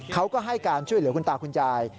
เขาก็ให้การช่วยเหลือคุณตาคุณยาย